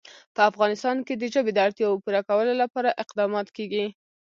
په افغانستان کې د ژبې د اړتیاوو پوره کولو لپاره اقدامات کېږي.